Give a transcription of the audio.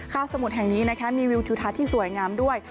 สมุดแห่งนี้นะคะมีวิวทิวทัศน์ที่สวยงามด้วย